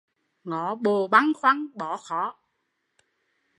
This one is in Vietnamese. Ngó bộ băn khoăn bó khó